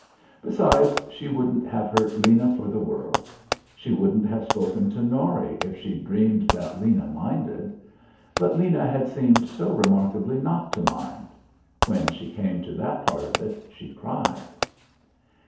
Besides, she wouldn't have hurt Lena for the world. She wouldn't have spoken to Norry if she'd dreamed that Lena minded. But Lena had seemed so remarkably not to mind. When she came to that part of it she cried.